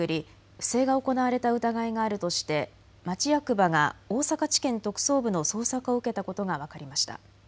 不正が行われた疑いがあるとして町役場が大阪地検特捜部の捜索を受けたことが分かりました。